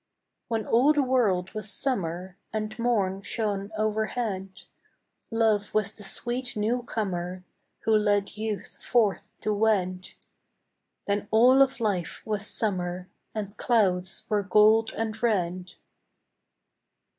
II When all the world was Summer, And morn shone overhead, Love was the sweet new comer Who led youth forth to wed; Then all of life was Summer, And clouds were gold and red.